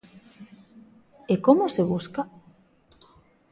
¿E como se busca?